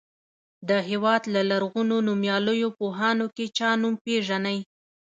د هېواد له لرغونو نومیالیو پوهانو کې چا نوم پیژنئ.